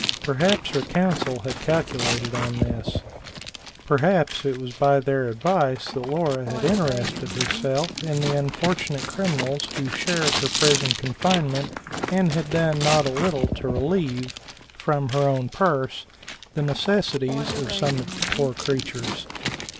Perhaps her counsel had calculated on this. Perhaps it was by their advice that Laura had interested herself in the unfortunate criminals who shared her prison confinement, and had done not a little to relieve, from her own purse, the necessities of some of the poor creatures.